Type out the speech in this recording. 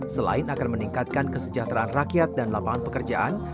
selain akan meningkatkan kesejahteraan rakyat dan lapangan pekerjaan